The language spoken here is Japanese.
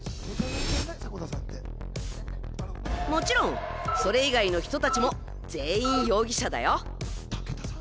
もちろん、それ以外の人たちも全員容疑者だよ。